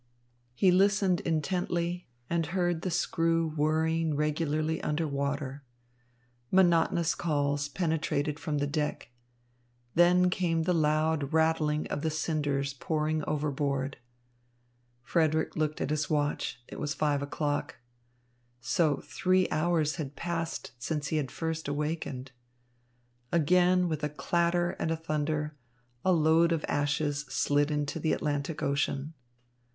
He listened intently, and heard the screw whirring regularly under the water. Monotonous calls penetrated from the deck. Then came the loud rattling of the cinders pouring overboard. Frederick looked at his watch. It was five o'clock. So three hours had passed since he had first awakened! Again, with a clatter and a thunder, a load of ashes slid into the Atlantic Ocean.